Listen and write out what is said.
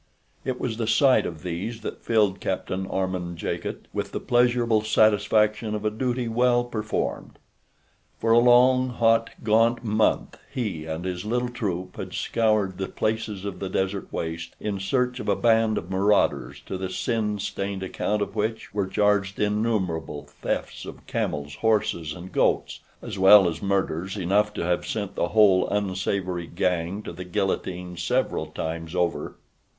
It was the sight of these that filled Captain Armand Jacot with the pleasurable satisfaction of a duty well performed. For a long, hot, gaunt month he and his little troop had scoured the places of the desert waste in search of a band of marauders to the sin stained account of which were charged innumerable thefts of camels, horses, and goats, as well as murders enough to have sent the whole unsavory gang to the guillotine several times over.